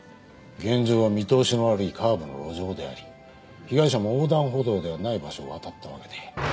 現場は見通しの悪いカーブの路上であり被害者も横断歩道ではない場所を渡ったわけで。